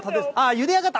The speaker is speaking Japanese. ゆで上がった？